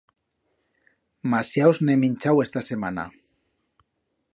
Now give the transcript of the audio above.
Masiaus n'he minchau esta semana!